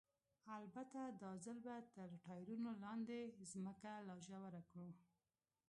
البته دا ځل به تر ټایرونو لاندې ځمکه لا ژوره کړو.